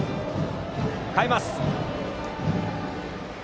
代えます。